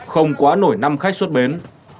không quá nổi năm khách xuất bến